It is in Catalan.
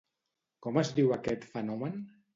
Com es diu aquest fenomen?